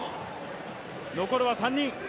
残るは３人。